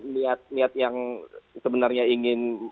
niat niat yang sebenarnya ingin